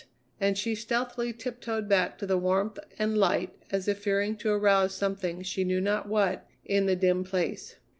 And she stealthily tiptoed back to the warmth and light as if fearing to arouse something, she knew not what, in the dim place.